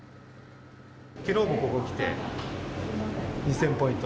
きのうもここ来て、２０００ポイント。